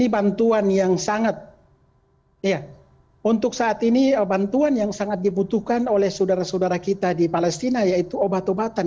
iya untuk saat ini bantuan yang sangat dibutuhkan oleh saudara saudara kita di palestina yaitu obat obatan